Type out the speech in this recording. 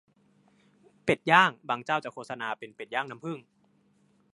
เป็ดย่าง บางเจ้าจะโฆษณาเป็นเป็ดย่างน้ำผึ้ง